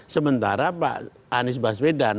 sementara pak anies baswedan